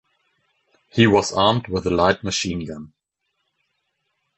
He was armed with a light machine-gun.